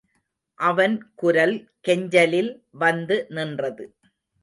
அவன் குரல் கெஞ்சலில் வந்து நின்றது.